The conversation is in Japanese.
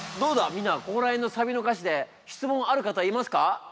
みんなここら辺のサビの歌詞で質問ある方いますか？